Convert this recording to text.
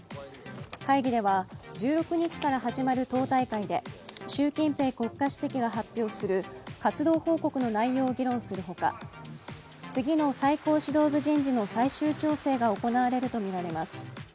会議では、１６日から始まる党大会で習近平国家主席が発表する活動報告の内容を議論するほか、次の最高指導部人事の最終調整が行われるとみられます。